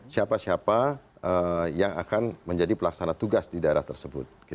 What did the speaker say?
siapa siapa yang akan menjadi pelaksana tugas di daerah tersebut